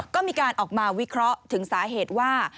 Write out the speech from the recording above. ก็มีการออกมาวิเคราะห์ถึงสาเหตุว่า